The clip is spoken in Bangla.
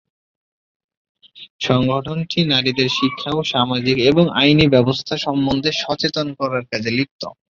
সংগঠনটি নারীদের শিক্ষা ও সামাজিক এবং আইনী ব্যবস্থা সম্বন্ধে সচেতন করার কাজে লিপ্ত।